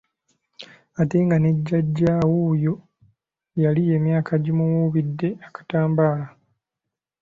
Ate nga ne Jjajja wuuyo yali emyaka gimuwuubidde akatambaala.